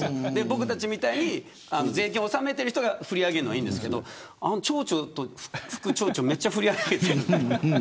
僕たちみたいに税金を納めている人が振り上げるのはいいんですがあの町長と副町長めっちゃ振り上げてる。